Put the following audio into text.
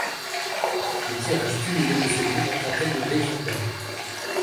Les tirages cumulés de ses livres atteignent d’exemplaires.